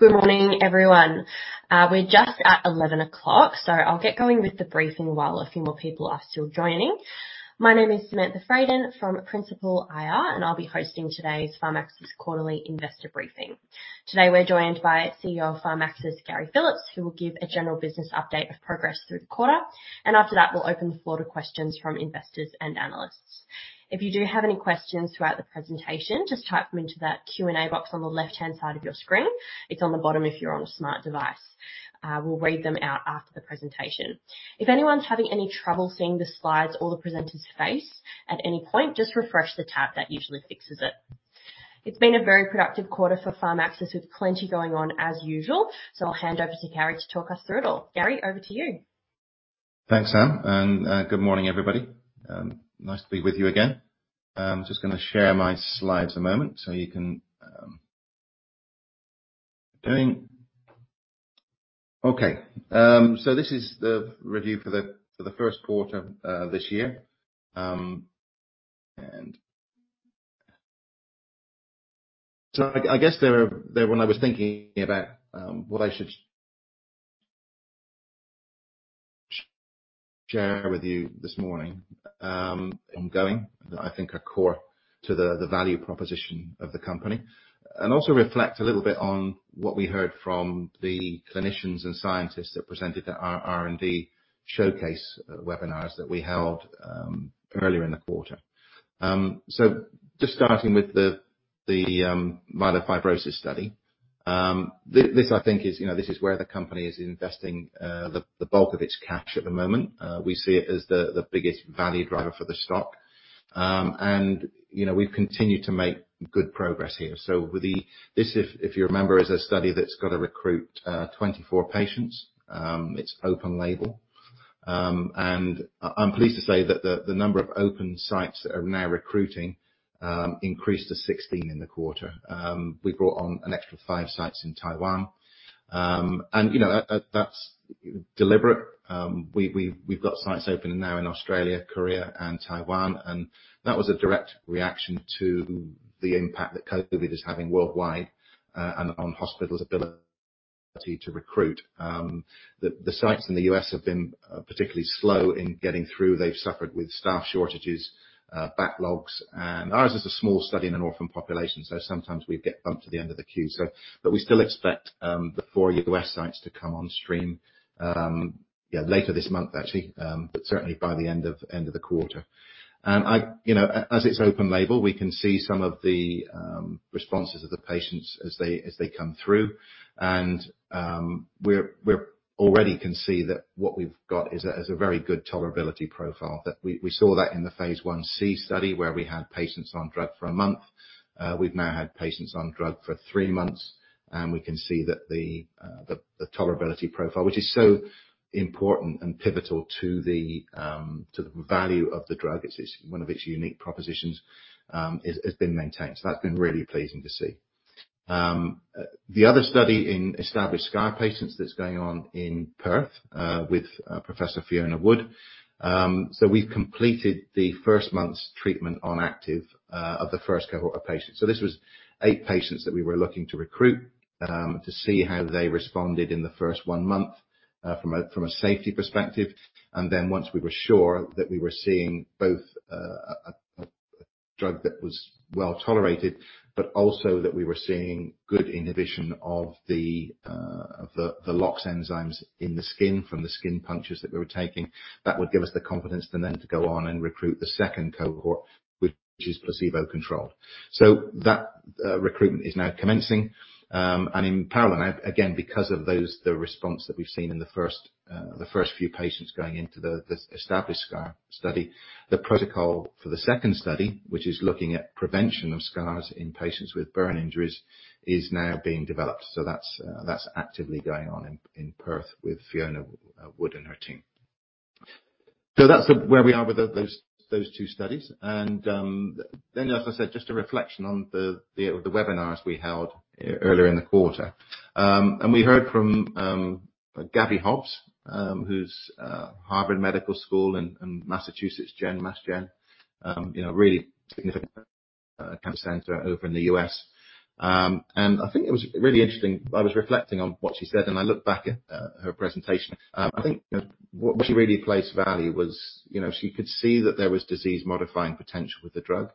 Good morning, everyone. We're just at 11:00 A.M., so I'll get going with the briefing while a few more people are still joining. My name is Samantha Fraden from Principal IR, and I'll be hosting today's Pharmaxis quarterly investor briefing. Today, we're joined by CEO of Pharmaxis, Gary Phillips, who will give a general business update of progress through the quarter. After that, we'll open the floor to questions from investors and analysts. If you do have any questions throughout the presentation, just type them into that Q&A box on the left-hand side of your screen. It's on the bottom if you're on a smart device. We'll read them out after the presentation. If anyone's having any trouble seeing the slides or the presenter's face at any point, just refresh the tab. That usually fixes it. It's been a very productive quarter for Pharmaxis, with plenty going on as usual. I'll hand over to Gary to talk us through it all. Gary, over to you. Thanks, Sam, and good morning, everybody. Nice to be with you again. I'm just gonna share my slides a moment so you can. Okay. This is the review for the first quarter this year. I guess there when I was thinking about what I should share with you this morning, ongoing, I think are core to the value proposition of the company. Also reflect a little bit on what we heard from the clinicians and scientists that presented at our R&D showcase webinars that we held earlier in the quarter. Just starting with the myelofibrosis study. This I think is, you know, this is where the company is investing the bulk of its cash at the moment. We see it as the biggest value driver for the stock. You know, we've continued to make good progress here. This, if you remember, is a study that's gotta recruit 24 patients. It's open label. I'm pleased to say that the number of open sites that are now recruiting increased to 16 in the quarter. We brought on an extra five sites in Taiwan. You know, that's deliberate. We've got sites open now in Australia, Korea and Taiwan, and that was a direct reaction to the impact that COVID is having worldwide and on hospitals' ability to recruit. The sites in the U.S. have been particularly slow in getting through. They've suffered with staff shortages, backlogs, and ours is a small study in an orphan population, so sometimes we get bumped to the end of the queue. We still expect the four U.S. sites to come on stream, yeah, later this month, actually, but certainly by the end of the quarter. I, you know, as it's open label, we can see some of the responses of the patients as they come through. We're already can see that what we've got is a very good tolerability profile. That we saw that in the phase I-C study where we had patients on drug for a month. We've now had patients on drug for three months, and we can see that the tolerability profile, which is so important and pivotal to the value of the drug, it is one of its unique propositions, is, has been maintained. That's been really pleasing to see. The other study in established scar patients that's going on in Perth, with Professor Fiona Wood. We've completed the first month's treatment on active of the first cohort of patients. This was eight patients that we were looking to recruit, to see how they responded in the first one month, from a safety perspective. Once we were sure that we were seeing both a drug that was well-tolerated, but also that we were seeing good inhibition of the LOX enzymes in the skin from the skin punctures that we were taking, that would give us the confidence to go on and recruit the second cohort, which is placebo-controlled. That recruitment is now commencing. In parallel, again, because of the response that we've seen in the first few patients going into the established scar study, the protocol for the second study, which is looking at prevention of scars in patients with burn injuries, is now being developed. That's actively going on in Perth with Fiona Wood and her team. That's where we are with those two studies. As I said, just a reflection on the webinars we held earlier in the quarter. We heard from Gabby Hobbs, who's Harvard Medical School in Massachusetts General Hospital. You know, really significant cancer center over in the U.S. I think it was really interesting. I was reflecting on what she said, and I looked back at her presentation. I think what she really placed value was, you know, she could see that there was disease-modifying potential with the drug.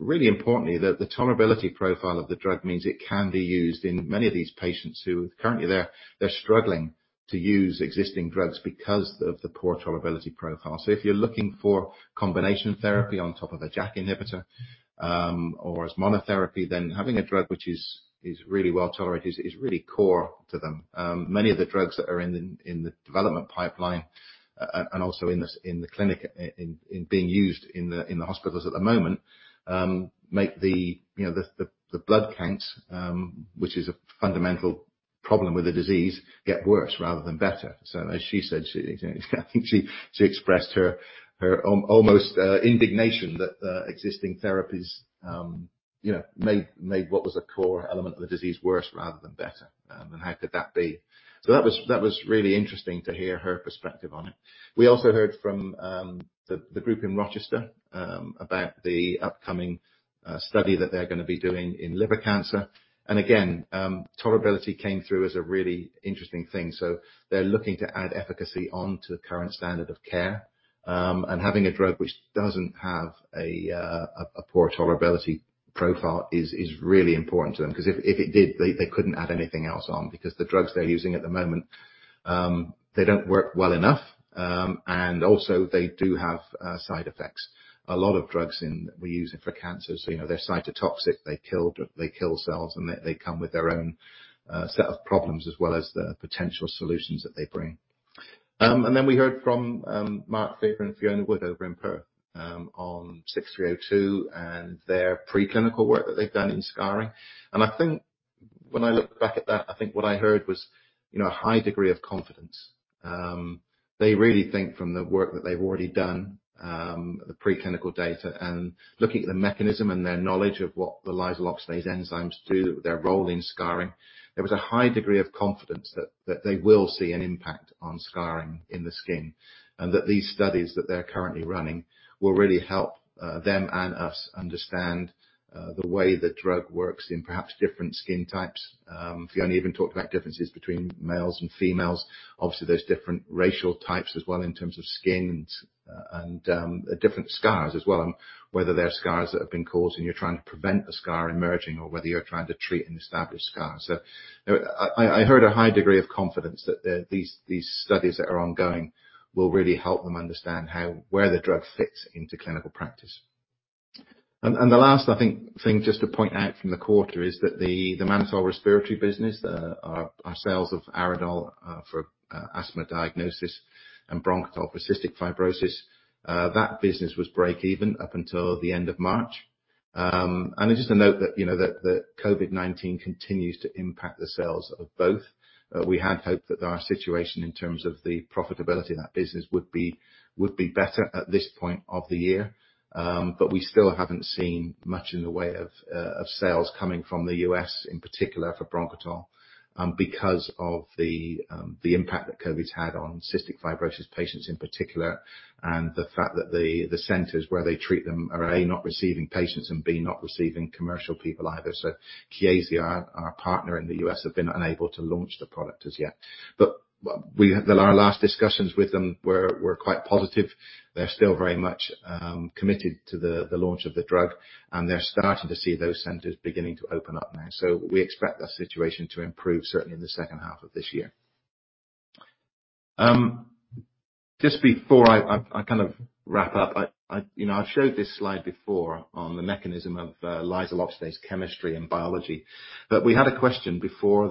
Really importantly, the tolerability profile of the drug means it can be used in many of these patients who currently they're struggling to use existing drugs because of the poor tolerability profile. If you're looking for combination therapy on top of a JAK inhibitor, or as monotherapy, then having a drug which is really well-tolerated is really core to them. Many of the drugs that are in the development pipeline and also in the clinic, being used in the hospitals at the moment, you know, make the blood counts, which is a fundamental problem with the disease, get worse rather than better. As she said, you know, I think she expressed her almost indignation that existing therapies, you know, made what was a core element of the disease worse rather than better. How could that be? That was really interesting to hear her perspective on it. We also heard from the group in Rochester about the upcoming study that they're gonna be doing in liver cancer. Again, tolerability came through as a really interesting thing. They're looking to add efficacy on to the current standard of care. Having a drug which doesn't have a poor tolerability profile is really important to them, 'cause if it did, they couldn't add anything else on because the drugs they're using at the moment they don't work well enough, and also they do have side effects. A lot of drugs we're using for cancer, so you know, they're cytotoxic. They kill cells, and they come with their own set of problems as well as the potential solutions that they bring. We heard from Mark Fear and Fiona Wood over in Perth on SNT-6302 and their preclinical work that they've done in scarring. I think when I look back at that, I think what I heard was, you know, a high degree of confidence. They really think from the work that they've already done, the preclinical data and looking at the mechanism and their knowledge of what the lysyl oxidase enzymes do, their role in scarring, there was a high degree of confidence that they will see an impact on scarring in the skin, and that these studies that they're currently running will really help them and us understand the way the drug works in perhaps different skin types. Fiona even talked about differences between males and females. Obviously, there's different racial types as well in terms of skin and different scars as well, and whether they're scars that have been caused and you're trying to prevent a scar emerging or whether you're trying to treat an established scar. I heard a high degree of confidence that these studies that are ongoing will really help them understand where the drug fits into clinical practice. The last, I think, thing just to point out from the quarter is that the mannitol respiratory business, our sales of Aridol for asthma diagnosis and Bronchitol for cystic fibrosis, that business was breakeven up until the end of March. Just to note that, you know, COVID-19 continues to impact the sales of both. We had hoped that our situation in terms of the profitability of that business would be better at this point of the year, but we still haven't seen much in the way of sales coming from the U.S., in particular for Bronchitol, because of the impact that COVID's had on cystic fibrosis patients in particular, and the fact that the centers where they treat them are, a, not receiving patients and, b, not receiving commercial people either. Chiesi, our partner in the U.S., have been unable to launch the product as yet. Our last discussions with them were quite positive. They're still very much committed to the launch of the drug, and they're starting to see those centers beginning to open up now. We expect that situation to improve certainly in the second half of this year. Just before I kind of wrap up, you know, I've showed this slide before on the mechanism of lysyl oxidase chemistry and biology. We had a question before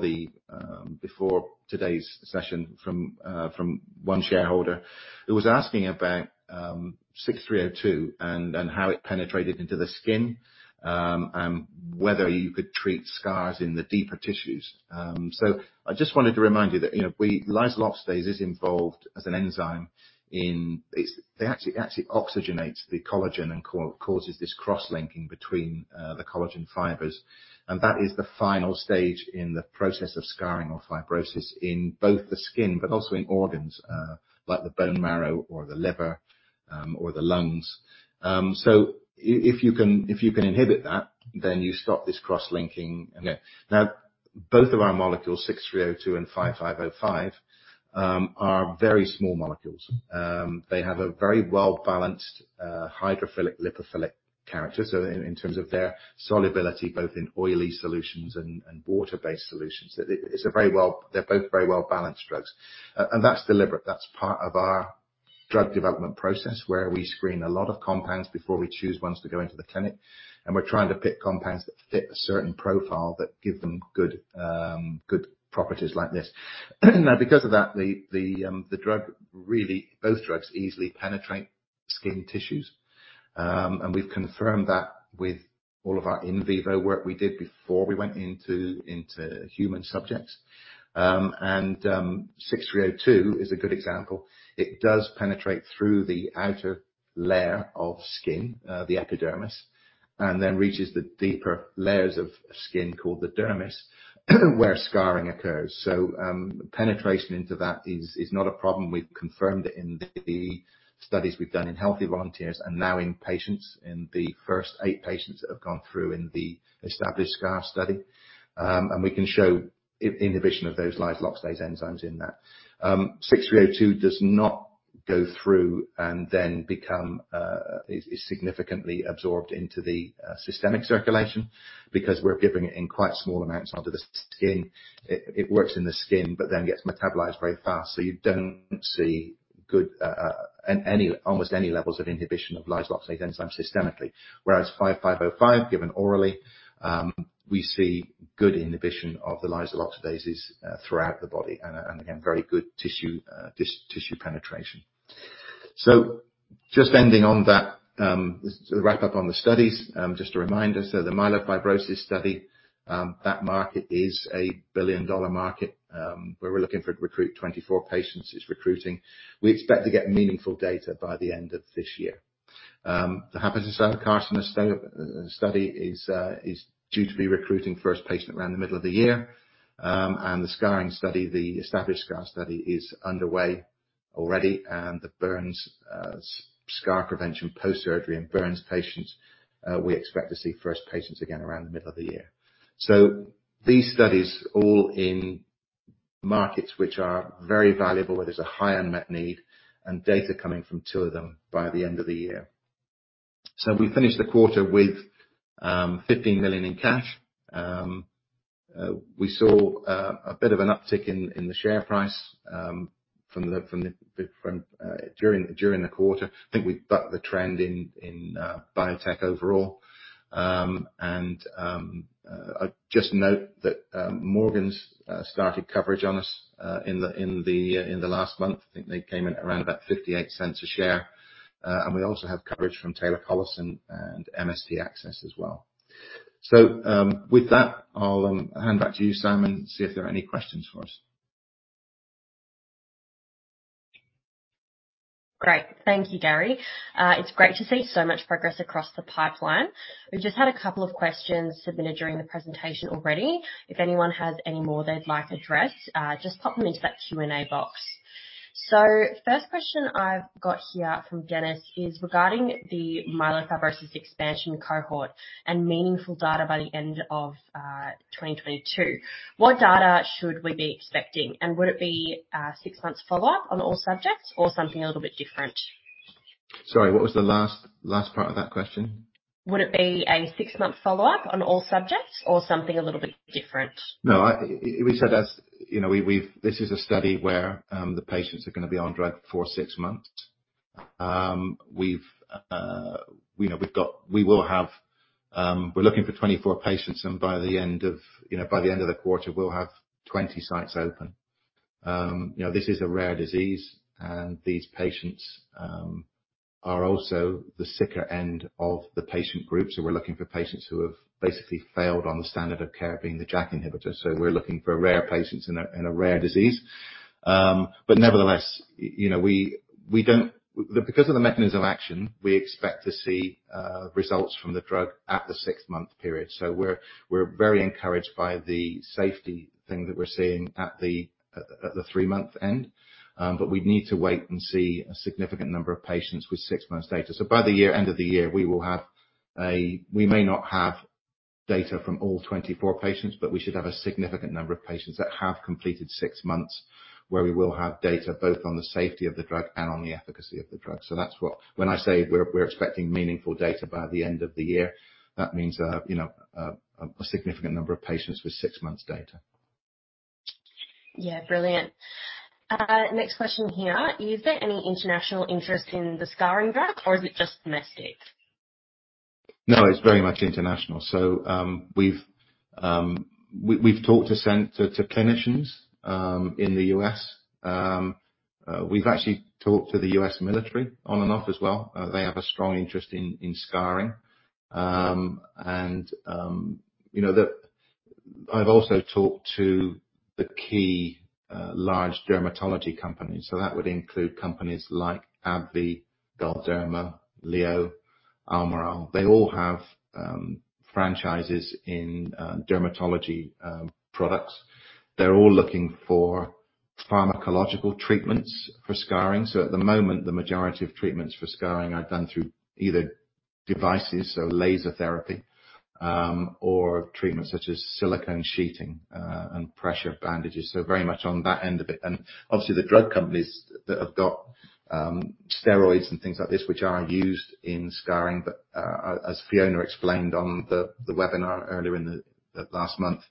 today's session from one shareholder who was asking about SNT-6302 and how it penetrated into the skin and whether you could treat scars in the deeper tissues. I just wanted to remind you that lysyl oxidase is involved as an enzyme in. They actually oxygenates the collagen and causes this cross-linking between the collagen fibers, and that is the final stage in the process of scarring or fibrosis in both the skin, but also in organs, like the bone marrow or the liver, or the lungs. If you can inhibit that, then you stop this cross-linking. Okay. Now, both of our molecules, SNT-6302 and SNT-5505, are very small molecules. They have a very well-balanced hydrophilic, lipophilic character. So in terms of their solubility, both in oily solutions and water-based solutions. They're both very well-balanced drugs. That's deliberate. That's part of our drug development process, where we screen a lot of compounds before we choose ones to go into the clinic, and we're trying to pick compounds that fit a certain profile that give them good properties like this. Now, because of that, both drugs easily penetrate skin tissues. We've confirmed that with all of our in vivo work we did before we went into human subjects. SNT-6302 is a good example. It does penetrate through the outer layer of skin, the epidermis, and then reaches the deeper layers of skin called the dermis, where scarring occurs. Penetration into that is not a problem. We've confirmed it in the studies we've done in healthy volunteers and now in patients, in the first eight patients that have gone through the established scar study. We can show inhibition of those lysyl oxidase enzymes in that. SNT-6302 does not go through and then is significantly absorbed into the systemic circulation because we're giving it in quite small amounts under the skin. It works in the skin, but then gets metabolized very fast. You don't see any, almost any levels of inhibition of lysyl oxidase enzyme systemically. Whereas SNT-5505, given orally, we see good inhibition of the lysyl oxidases throughout the body and again, very good tissue penetration. Just ending on that, to wrap up on the studies, just a reminder. The myelofibrosis study, that market is a billion-dollar market, where we're looking to recruit 24 patients, is recruiting. We expect to get meaningful data by the end of this year. The hepatocellular carcinoma study is due to be recruiting first patient around the middle of the year. The scarring study, the established scar study is underway already, and the burns scar prevention post-surgery in burns patients, we expect to see first patients again around the middle of the year. These studies all in markets which are very valuable, where there's a high unmet need, and data coming from two of them by the end of the year. We finished the quarter with 15 million in cash. We saw a bit of an uptick in the share price during the quarter. I think we bucked the trend in biotech overall. I just note that Morgans started coverage on us in the last month. I think they came in around about 0.58 a share. We also have coverage from Taylor Collison and MST Access as well. With that, I'll hand back to you, Simon, and see if there are any questions for us. Great. Thank you, Gary. It's great to see so much progress across the pipeline. We've just had a couple of questions submitted during the presentation already. If anyone has any more they'd like addressed, just pop them into that Q&A box. First question I've got here from Dennis is regarding the myelofibrosis expansion cohort and meaningful data by the end of 2022. What data should we be expecting? And would it be a six months follow-up on all subjects or something a little bit different? Sorry, what was the last part of that question? Would it be a six-month follow-up on all subjects or something a little bit different? No. This is a study where the patients are gonna be on drug for six months. We will have. We're looking for 24 patients, and by the end of the quarter, we'll have 20 sites open. This is a rare disease, and these patients are also the sicker end of the patient group. We're looking for patients who have basically failed on the standard of care being the JAK inhibitor. We're looking for rare patients in a rare disease. But nevertheless, you know, because of the mechanism of action, we expect to see results from the drug at the six-month period. We're very encouraged by the safety thing that we're seeing at the three-month end, but we need to wait and see a significant number of patients with six months data. By the end of the year, we may not have data from all 24 patients, but we should have a significant number of patients that have completed six months, where we will have data both on the safety of the drug and on the efficacy of the drug. When I say we're expecting meaningful data by the end of the year, that means, you know, a significant number of patients with six months data. Yeah, brilliant. Next question here. Is there any international interest in the scarring drug or is it just domestic? No, it's very much international. We've talked to clinicians in the U.S. We've actually talked to the U.S. military on and off as well. They have a strong interest in scarring. You know, I've also talked to the key large dermatology companies. That would include companies like AbbVie, Galderma, LEO, Almirall. They all have franchises in dermatology products. They're all looking for pharmacological treatments for scarring. At the moment, the majority of treatments for scarring are done through either devices, laser therapy, or treatments such as silicone sheathing and pressure bandages. Very much on that end of it. Obviously, the drug companies that have got steroids and things like this, which are used in scarring, but as Fiona explained on the webinar earlier in the last month,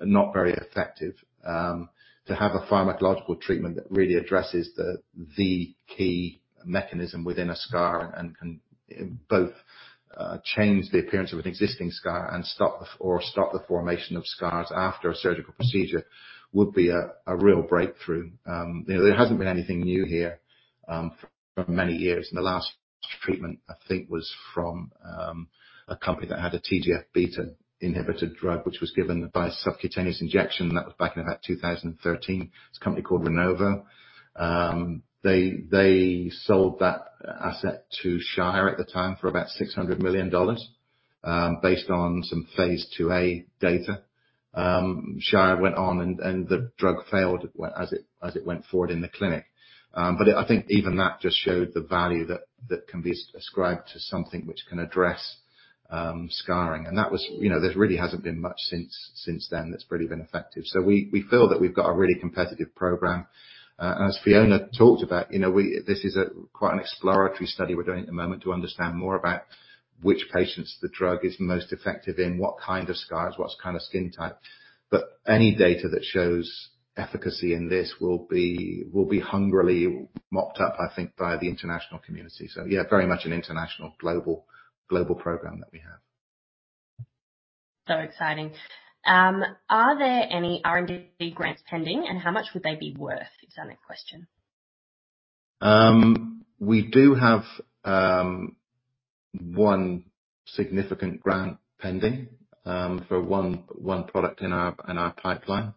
are not very effective. To have a pharmacological treatment that really addresses the key mechanism within a scar and can both change the appearance of an existing scar and stop the formation of scars after a surgical procedure would be a real breakthrough. You know, there hasn't been anything new here for many years. The last treatment, I think, was from a company that had a TGF-beta inhibitor drug, which was given by subcutaneous injection. That was back in about 2013. It's a company called Renovo. They sold that asset to Shire at the time for about 600 million dollars, based on some phase Gen İlaçIIa data. Shire went on and the drug failed as it went forward in the clinic. I think even that just showed the value that can be ascribed to something which can address scarring. That was, you know, there really hasn't been much since then that's really been effective. We feel that we've got a really competitive program. As Fiona talked about, you know, this is quite an exploratory study we're doing at the moment to understand more about which patients the drug is most effective in, what kind of scars, what kind of skin type. Any data that shows efficacy in this will be hungrily mopped up, I think, by the international community. Yeah, very much an international global program that we have. Exciting. Are there any R&D grants pending, and how much would they be worth? Is our next question. We do have one significant grant pending for one product in our pipeline,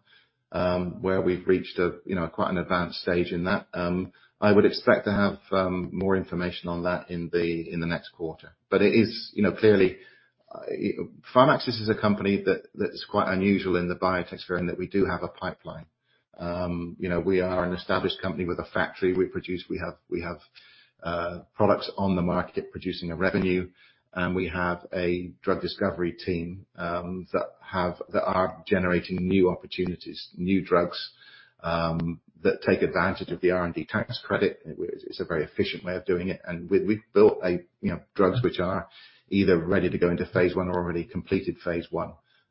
where we've reached, you know, quite an advanced stage in that. I would expect to have more information on that in the next quarter. It is, you know, clearly, Pharmaxis is a company that's quite unusual in the biotech space in that we do have a pipeline. You know, we are an established company with a factory. We produce, we have products on the market producing a revenue, and we have a drug discovery team that are generating new opportunities, new drugs that take advantage of the R&D tax incentive. It's a very efficient way of doing it, and we've built, you know, drugs which are either ready to go into phase I or already completed phase I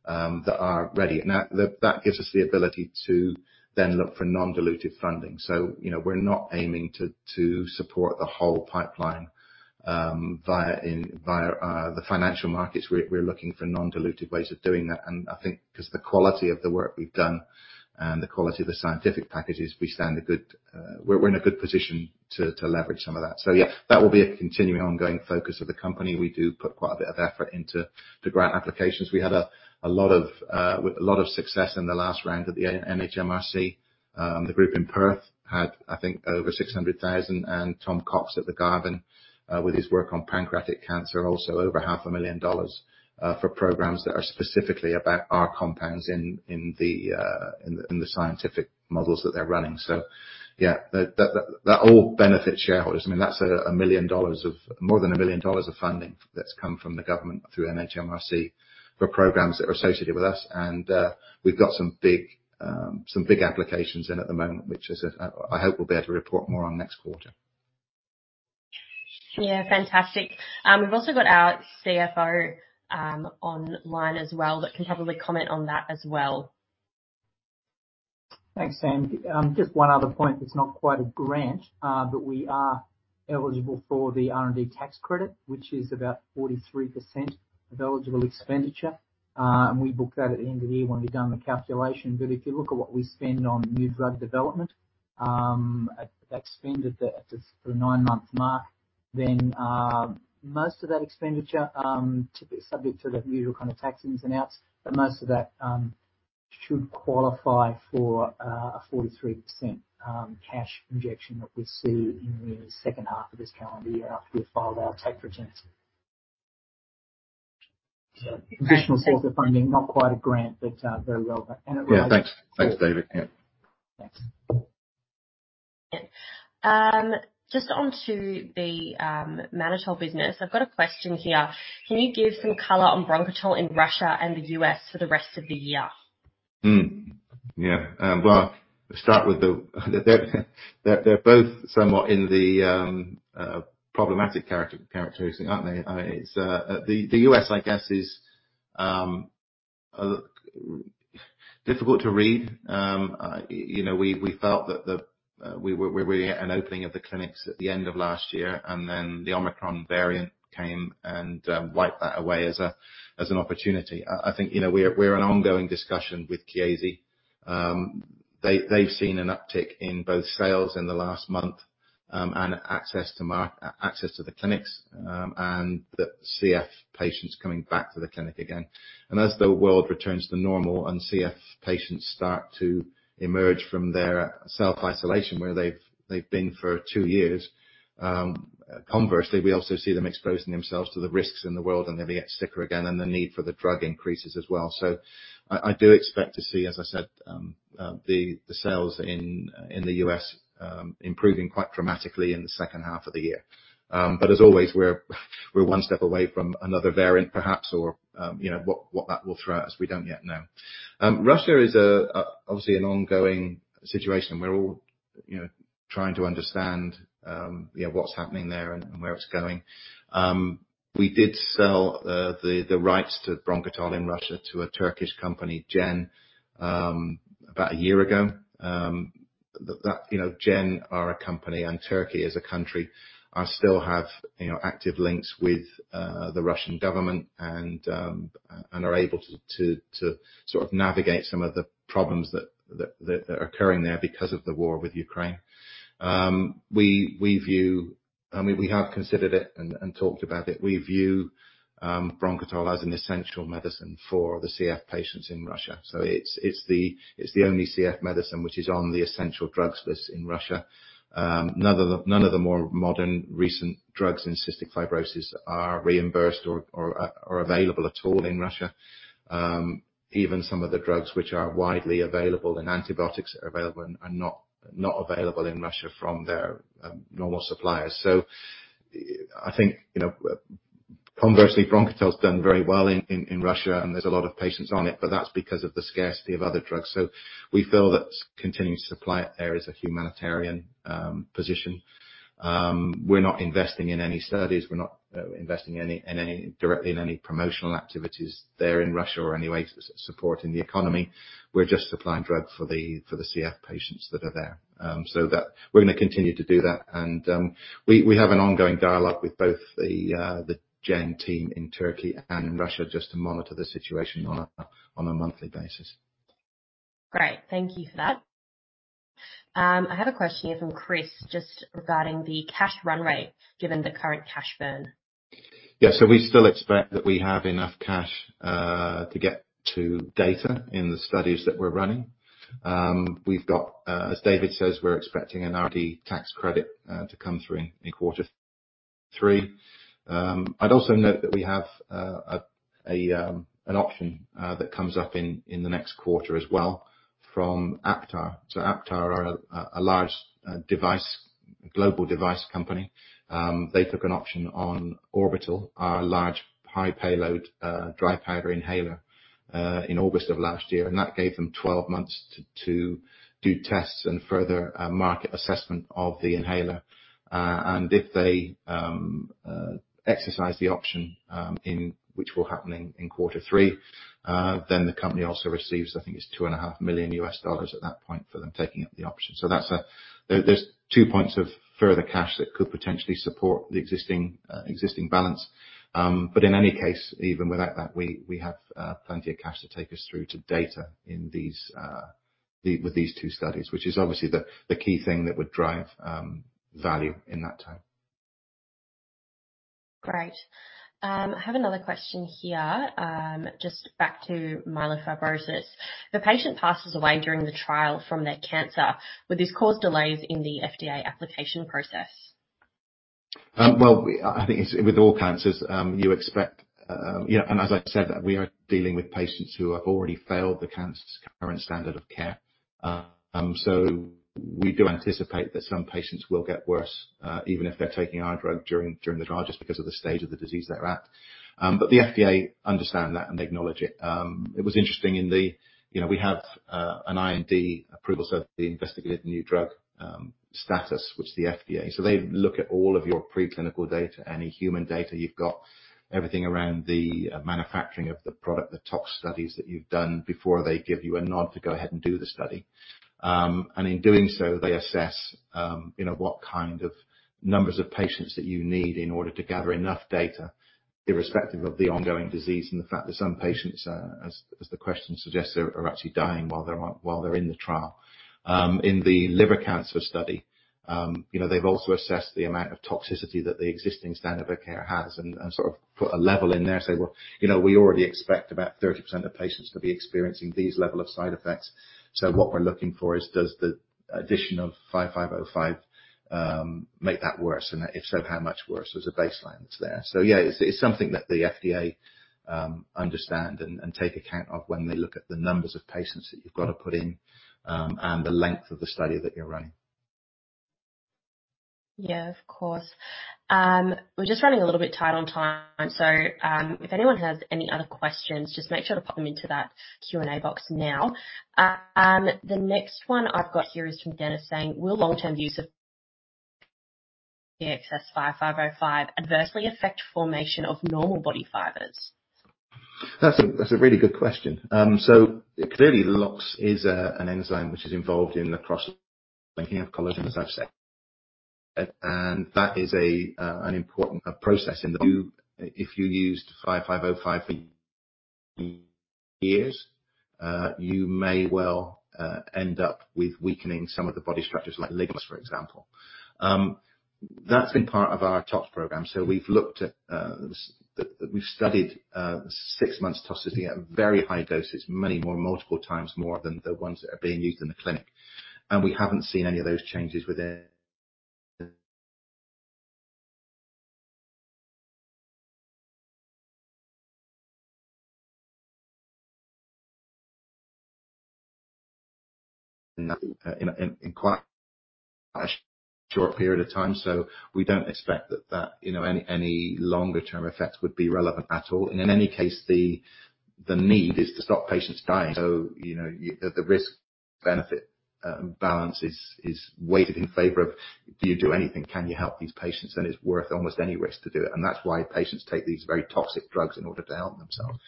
that are ready. Now, that gives us the ability to then look for non-dilutive funding. You know, we're not aiming to support the whole pipeline via the financial markets. We're looking for non-dilutive ways of doing that, and I think because the quality of the work we've done and the quality of the scientific packages, we stand a good. We're in a good position to leverage some of that. Yeah, that will be a continuing ongoing focus of the company. We do put quite a bit of effort into the grant applications. We had a lot of success in the last round at the NHMRC. The group in Perth had, I think, over 600,000, and Tom Cox at the Garvan, with his work on pancreatic cancer, also over half a million AUD, for programs that are specifically about our compounds in the scientific models that they're running. Yeah. That all benefits shareholders. I mean, that's 1 million dollars of more than 1 million dollars of funding that's come from the government through NHMRC for programs that are associated with us. We've got some big applications in at the moment, which I hope we'll be able to report more on next quarter. Yeah, fantastic. We've also got our CFO, online as well that can probably comment on that as well. Thanks, Sam. Just one other point that's not quite a grant, but we are eligible for the R&D tax incentive, which is about 43% of eligible expenditure. We book that at the end of the year when we've done the calculation. If you look at what we spend on new drug development, expended at the nine-month mark, then most of that expenditure, subject to the usual kind of tax ins and outs, but most of that should qualify for a 43% cash injection that we see in the second half of this calendar year after we've filed our tax returns. Additional source of funding, not quite a grant, but very relevant. It relates- Yeah. Thanks. Thanks, David. Yeah. Thanks. Just onto the mannitol business. I've got a question here. Can you give some color on Bronchitol in Russia and the U.S. for the rest of the year? Well, let's start. They're both somewhat in the problematic characterization, aren't they? The U.S., I guess, is difficult to read. You know, we felt that we were really at an opening of the clinics at the end of last year, and then the Omicron variant came and wiped that away as an opportunity. I think, you know, we're in ongoing discussion with Chiesi. They've seen an uptick in both sales in the last month, and access to the clinics, and the CF patients coming back to the clinic again. As the world returns to normal and CF patients start to emerge from their self-isolation where they've been for two years, conversely, we also see them exposing themselves to the risks in the world, and they get sicker again, and the need for the drug increases as well. I do expect to see, as I said, the sales in the U.S. improving quite dramatically in the second half of the year. But as always, we're one step away from another variant perhaps or, you know, what that will throw at us, we don't yet know. Russia is obviously an ongoing situation. We're all, you know, trying to understand, you know, what's happening there and where it's going. We did sell the rights to Bronchitol in Russia to a Turkish company, Gen İlaç, about a year ago. You know, Gen İlaç are a company and Turkey as a country still have, you know, active links with the Russian government and are able to sort of navigate some of the problems that are occurring there because of the war with Ukraine. I mean, we have considered it and talked about it. We view Bronchitol as an essential medicine for the CF patients in Russia. It's the only CF medicine which is on the essential drugs list in Russia. None of the more modern recent drugs in cystic fibrosis are reimbursed or available at all in Russia. Even some of the drugs which are widely available, and antibiotics, are not available in Russia from their normal suppliers. I think, you know, conversely, Bronchitol has done very well in Russia, and there's a lot of patients on it, but that's because of the scarcity of other drugs. We feel that continuing to supply it there is a humanitarian position. We're not investing in any studies. We're not investing directly in any promotional activities there in Russia or any way supporting the economy. We're just supplying drug for the CF patients that are there. We're gonna continue to do that. We have an ongoing dialogue with both the Gen team in Turkey and in Russia just to monitor the situation on a monthly basis. Great. Thank you for that. I have a question here from Chris just regarding the cash run rate, given the current cash burn. Yeah. We still expect that we have enough cash to get to data in the studies that we're running. As David says, we're expecting an R&D tax credit to come through in quarter three. I'd also note that we have an option that comes up in the next quarter as well from Aptar. Aptar are a large global device company. They took an option on Orbital, our large high-payload dry powder inhaler, in August of last year, and that gave them 12 months to do tests and further market assessment of the inhaler. If they exercise the option, which will happen in quarter three, then the company also receives, I think it's $2.5 million at that point for them taking up the option. That's two points of further cash that could potentially support the existing balance. In any case, even without that, we have plenty of cash to take us through to data with these two studies, which is obviously the key thing that would drive value in that time. Great. I have another question here. Just back to myelofibrosis. If a patient passes away during the trial from their cancer, would this cause delays in the FDA application process? Well, I think with all cancers, you expect. Yeah. As I said, that we are dealing with patients who have already failed the cancer's current standard of care. So we do anticipate that some patients will get worse, even if they're taking our drug during the trial, just because of the stage of the disease they're at. But the FDA understand that, and they acknowledge it. It was interesting. You know, we have an IND approval, so the Investigational New Drug status with the FDA. So they look at all of your preclinical data, any human data you've got, everything around the manufacturing of the product, the tox studies that you've done before they give you a nod to go ahead and do the study. In doing so, they assess, you know, what kind of numbers of patients that you need in order to gather enough data, irrespective of the ongoing disease and the fact that some patients, as the question suggests, are actually dying while they're in the trial. In the liver cancer study, you know, they've also assessed the amount of toxicity that the existing standard of care has and sort of put a level in there and say, "Well, you know, we already expect about 30% of patients to be experiencing these level of side effects. So what we're looking for is, does the addition of SNT-5505 make that worse? And if so, how much worse?" There's a baseline that's there. Yeah, it's something that the FDA understand and take account of when they look at the numbers of patients that you've got to put in, and the length of the study that you're running. Yeah, of course. We're just running a little bit tight on time. If anyone has any other questions, just make sure to pop them into that Q&A box now. The next one I've got here is from Dennis saying, "Will long-term use of the SNT-5505 adversely affect formation of normal body fibers? That's a really good question. So clearly, LOX is an enzyme which is involved in the cross-linking of collagen, as I've said. That is an important process. If you used SNT-5505 for years, you may well end up with weakening some of the body structures like ligaments, for example. That's been part of our tox program. We've studied six months toxicity at very high doses, multiple times more than the ones that are being used in the clinic. We haven't seen any of those changes with it in quite a short period of time. We don't expect that, you know, any longer term effects would be relevant at all. In any case, the need is to stop patients dying. You know, the risk-benefit balance is weighted in favor of, do you do anything? Can you help these patients? Then it's worth almost any risk to do it. That's why patients take these very toxic drugs in order to help themselves.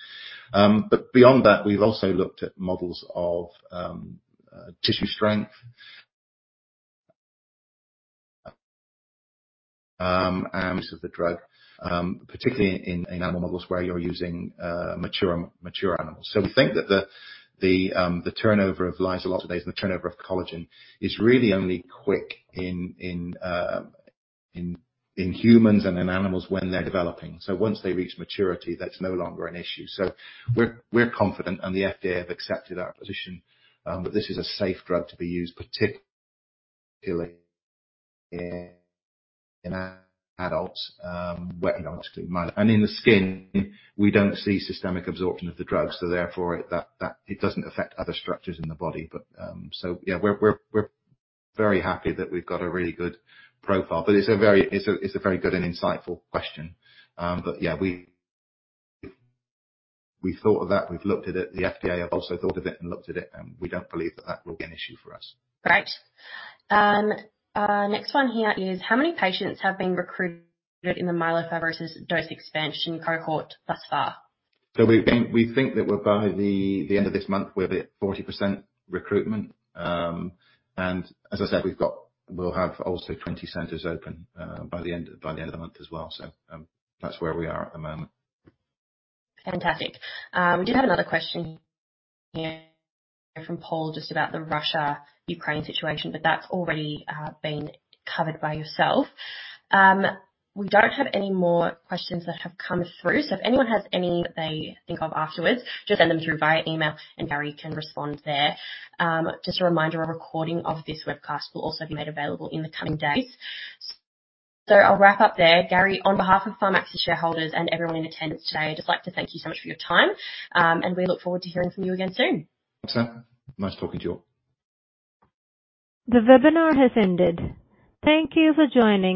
Beyond that, we've also looked at models of tissue strength and use of the drug, particularly in animal models where you're using mature animals. We think that the turnover of lysyl oxidase and the turnover of collagen is really only quick in humans and in animals when they're developing. Once they reach maturity, that's no longer an issue. We're confident, and the FDA have accepted our position that this is a safe drug to be used, particularly in adults, well, you know, obviously. In the skin, we don't see systemic absorption of the drug, so therefore that it doesn't affect other structures in the body. Yeah, we're very happy that we've got a really good profile. It's a very good and insightful question. Yeah, we thought of that. We've looked at it. The FDA have also thought of it and looked at it, and we don't believe that will be an issue for us. Great. Next one here is, how many patients have been recruited in the myelofibrosis dose expansion cohort thus far? We think that we're about the end of this month, we'll be at 40% recruitment. As I said, we'll have also 20 centers open by the end of the month as well. That's where we are at the moment. Fantastic. We do have another question here from Paul just about the Russia-Ukraine situation, but that's already been covered by yourself. We don't have any more questions that have come through, so if anyone has any that they think of afterwards, just send them through via email and Gary can respond there. Just a reminder, a recording of this webcast will also be made available in the coming days. I'll wrap up there. Gary, on behalf of Pharmaxis shareholders and everyone in attendance today, I'd just like to thank you so much for your time, and we look forward to hearing from you again soon. Thanks, Samantha. Nice talking to you all. The webinar has ended. Thank you for joining.